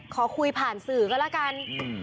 ขอคุยผ่านสื่อก็แล้วกัน